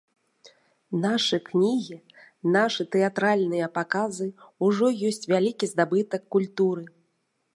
Нашы кнігі, нашы тэатральныя паказы ўжо ёсць вялікі здабытак культуры.